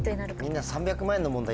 みんな３００万円の問題